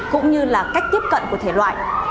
cũng như là cách tiếp cận của thể loại